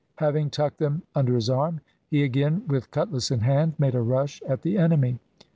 Having tucked them under his arm, he again, with cutlass in hand, made a rush at the enemy.